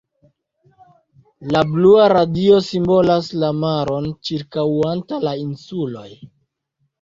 La blua radio simbolas la maron ĉirkaŭanta la insuloj.